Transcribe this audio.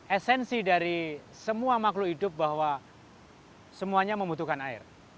esensi dari semua makhluk hidup bahwa semuanya membutuhkan air